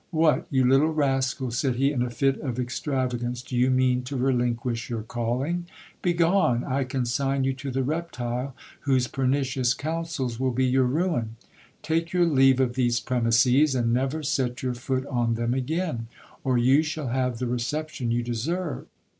What, you little rascal, said he in a fit of extravagance, do you mean to relinquish your calling ? Begone, I consign you to the reptile whose pernicious counsels will be your ruin. Take your leave of these premises, and never set 62 GIL BLAS. your foot on them again, or you shall have the reception you deserve